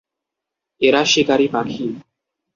এরা শিকারী পাখি।